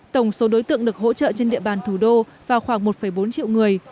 tổng số đối tượng được hỗ trợ trên địa bàn thủ đô vào khoảng một bốn triệu người